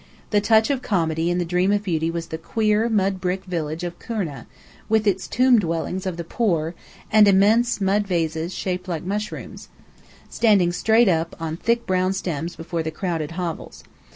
The touch of comedy in the dream of beauty was the queer, mud brick village of Kurna, with its tomb dwellings of the poor, and immense mud vases shaped like mushrooms, standing straight up on thick brown stems before the crowded hovels.